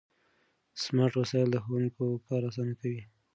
سمارټ وسایل د ښوونکو کار اسانه کوي.